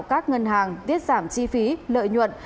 các ngân hàng tiết giảm chi phí lợi nhuận